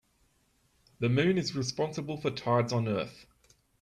The moon is responsible for tides on earth.